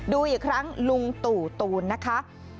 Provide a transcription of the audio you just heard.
ดูอีกครั้งลุงตู่ตูนนะคะ